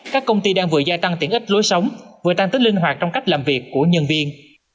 các công ty đang vừa gia tăng tiện ích lối sống vừa tăng tính linh hoạt trong cách làm việc của nhân viên